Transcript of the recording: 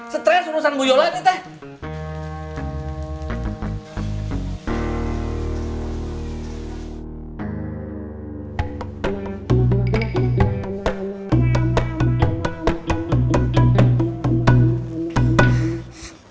stres urusan bu yola nih teh